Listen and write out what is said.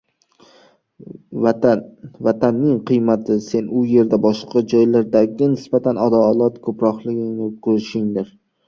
Vatanning qiymati – sen u yerda boshqa joylardagiga nisbatan adolat ko‘proqligini ko‘rishingdir.